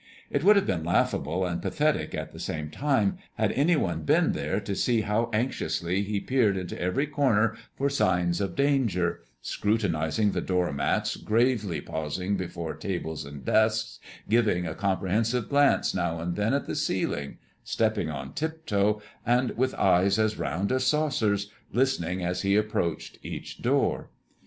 It would have been laughable, and pathetic at the same time, had any one been there to see how anxiously he peered into every corner for signs of danger; scrutinizing the door mats, gravely pausing before tables and desks, giving a comprehensive glance now and then at the ceiling, stepping on tiptoe, and, with eyes as round as saucers, listening as he approached each door.